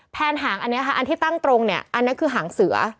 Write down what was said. แผนหางอันนี้ค่ะอันที่ตั้งตรงอันนี้คือหางเสือ